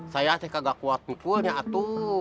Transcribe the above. saya sih kagak kuat mukulnya atuk